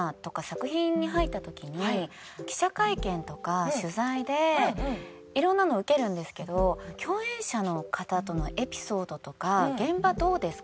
記者会見とか取材でいろんなのを受けるんですけど共演者の方とのエピソードとか「現場どうですか？」